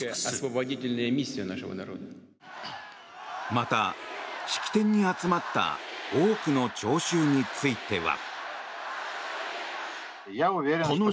また、式典に集まった多くの聴衆については。